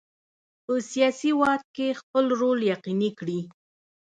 په سیاسي واک کې خپل رول یقیني کړي.